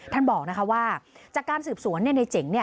ท่านบอกว่าจากการสืบสวนในเจ๋ง